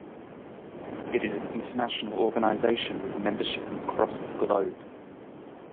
It is an international organization with membership from across the globe.